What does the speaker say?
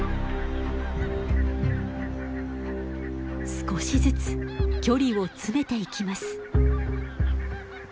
少しずつ距離を詰めていきます。